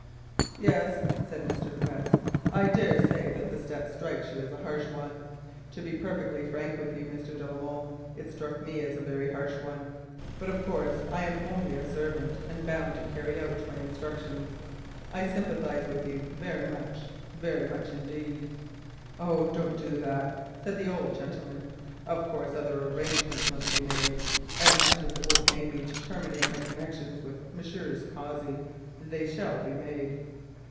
"Yes," said Mr. Quest, "I daresay that the step strikes you as a harsh one. To be perfectly frank with you, Mr. de la Molle, it struck me as a very harsh one; but, of course, I am only a servant, and bound to carry out my instructions. I sympathise with you very much—very much indeed." "Oh, don't do that," said the old gentleman. "Of course, other arrangements must be made; and, much as it will pain me to terminate my connection with Messrs. Cossey, they shall be made."